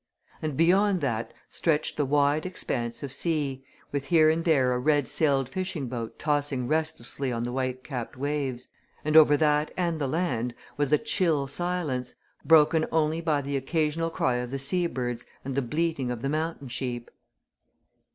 And beyond that stretched the wide expanse of sea, with here and there a red sailed fishing boat tossing restlessly on the white capped waves, and over that and the land was a chill silence, broken only by the occasional cry of the sea birds and the bleating of the mountain sheep.